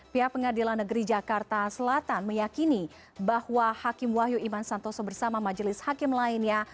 pihak pengadilan negeri jakarta selatan meyakini bahwa hakim wahyu iman santoso bersama majelis hakim lainnya